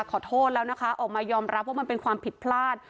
ขอโทษแล้วนะคะออกมายอมรับว่ามันเป็นความผิดพลาด